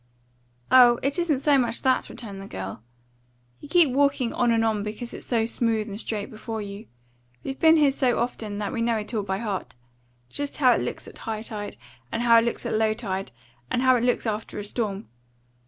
"Oh, it isn't so much that," returned the girl. "You keep walking on and on because it's so smooth and straight before you. We've been here so often that we know it all by heart just how it looks at high tide, and how it looks at low tide, and how it looks after a storm.